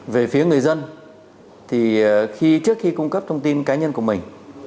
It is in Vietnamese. về phía người dân thì trước khi cung cấp thông tin cá nhân của mình